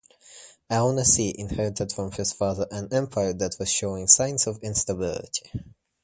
Al-Nasir inherited from his father an empire that was showing signs of instability.